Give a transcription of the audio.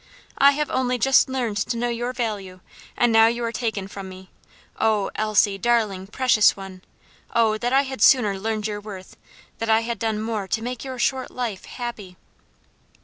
"I have only just learned to know your value, and now you are taken from me. Oh! Elsie, darling, precious one; oh! that I had sooner learned your worth! that I had done more to make your short life happy!"